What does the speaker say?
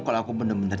kalau aku bener bener